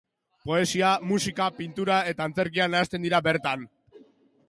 Poesia, musika, pintura eta antzerkia nahasten dira bertan.